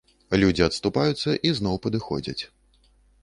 Людзі адступаюцца і зноў падыходзяць.